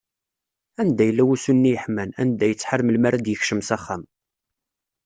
Anda yella wusu-nni yeḥman, anda yettḥar melmi ara d-yekcem s axxam?